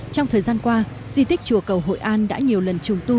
trong thời gian qua di tích chùa cầu hội an đã nhiều lần trùng tu